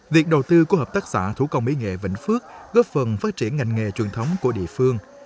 việc đầu tư của hợp tác xã thủ công mỹ nghệ vĩnh phước góp phần phát triển ngành nghề truyền thống của địa phương